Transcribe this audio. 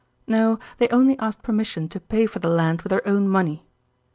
No, they only asked permission to pay for the land with their own money.